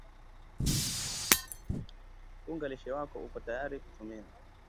unga lishe wako uko tayari kutumia